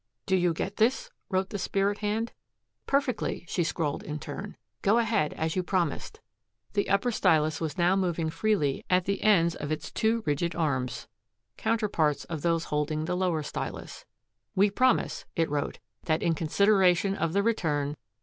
"Do you get this?" wrote the spirit hand. "Perfectly," she scrawled in turn. "Go ahead, as you promised." The upper stylus was now moving freely at the ends of its two rigid arms, counterparts of those holding the lower stylus. "We promise," it wrote, "that in consideration of the return..."